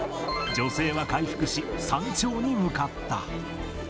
女性は回復し、山頂に向かった。